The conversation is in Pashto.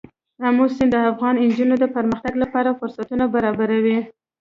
آمو سیند د افغان نجونو د پرمختګ لپاره فرصتونه برابروي.